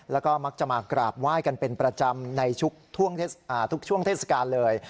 แล้วก็มักจะมากราบไหว้กันเป็นประจำในทุกช่วงเทศกาลเลย